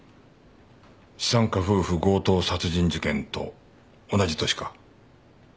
資産家夫婦強盗殺人事件と同じ年か。